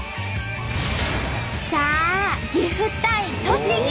さあ岐阜対栃木！